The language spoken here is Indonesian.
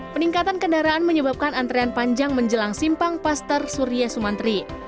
peningkatan kendaraan menyebabkan antrean panjang menjelang simpang paster surya sumantri